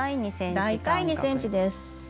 大体２ｃｍです。